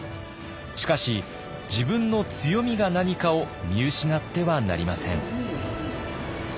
しかし自分の強みが何かを見失ってはなりません。